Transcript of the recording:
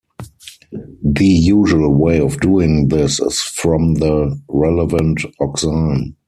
The usual way of doing this is from the relevant oxime.